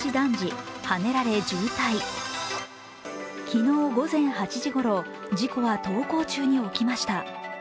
昨日午前８時ごろ、事故は登校中に起きました。